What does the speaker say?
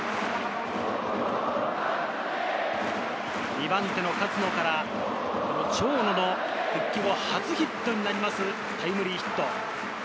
２番手・勝野から長野の復帰後初ヒットになります、タイムリーヒット。